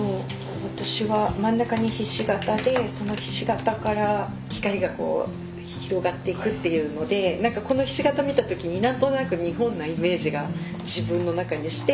私は真ん中にひし形でそのひし形から光が広がっていくっていうので何かこのひし形を見たときに何となく日本なイメージが自分の中にして。